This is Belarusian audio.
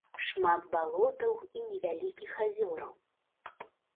Шмат балотаў і невялікіх азёраў.